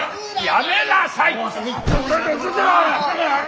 やめなさい！